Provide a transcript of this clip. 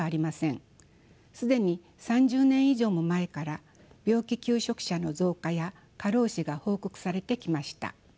既に３０年以上も前から病気休職者の増加や過労死が報告されてきました。